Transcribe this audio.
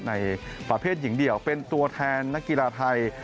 ในประเภทหญิงเดี่ยวเป็นตัวแทนนักกีฬาไทย